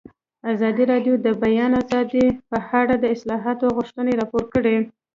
ازادي راډیو د د بیان آزادي په اړه د اصلاحاتو غوښتنې راپور کړې.